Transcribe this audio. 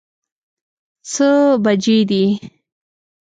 څه بجې دي؟